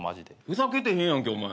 ふざけてへんやんけお前。